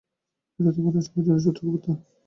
এটা তোমাদের সবার জন্য সতর্কবার্তা।